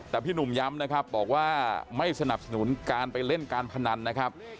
แต่พี่หนุ่มย้ำนะครับบอกว่าไม่สนับสนุนการไปเล่นการพนันนะครับ